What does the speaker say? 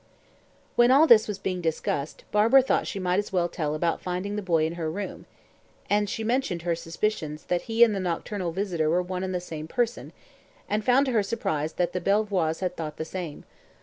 When all this was being discussed, Barbara thought she might as well tell about finding the boy in her room, and she mentioned her suspicions that he and the nocturnal visitor were one and the same person, and found to her surprise that the Belvoirs had thought the same.